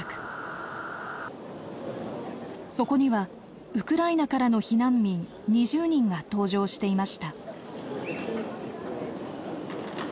そこにはウクライナからの避難民２０人が搭乗していました。